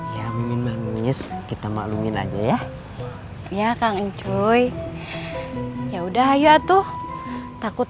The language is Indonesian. ya mimin manis kita maklumin aja ya iya kang cuy ya udah ayo atuh takut